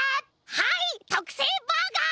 はいとくせいバーガー！